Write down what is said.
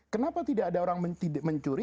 kenapa tidak ada orang mencuri